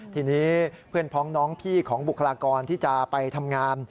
ทีนี้เพื่อนพ้องน้องพี่ของบุคลากรที่จะไปทำงาน